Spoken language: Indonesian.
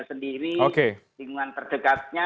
sendiri oke tinggungan terdekatnya